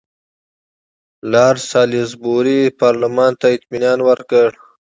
لارډ سالیزبوري پارلمان ته اطمینان ورکړ.